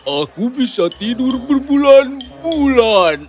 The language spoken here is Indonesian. aku bisa tidur berbulan bulan